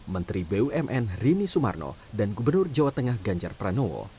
menteri bumn rini sumarno dan gubernur jawa tengah ganjar pranowo